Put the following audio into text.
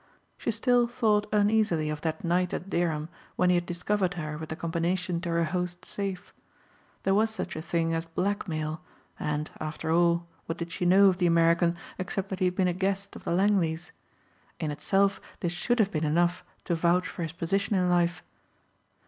She still thought uneasily of that night at Dereham when he had discovered her with the combination to her host's safe. There was such a thing as blackmail and, after all what did she know of the American except that he had been a guest of the Langleys. In itself this should have been enough to vouch for his position in life.